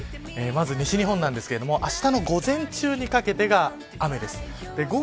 まず西日本ですがあしたの午前中にかけてが雨です。